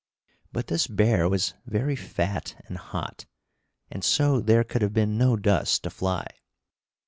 But this bear was very fat and hot, and so there could have been no dust to fly.